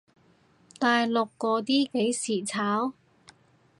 大陸嗰啲幾時炒？